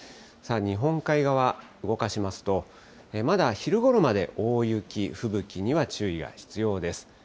さあ、日本海側、動かしますと、まだ昼ごろまで大雪、吹雪には注意が必要です。